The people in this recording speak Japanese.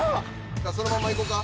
じゃあそのままいこうか？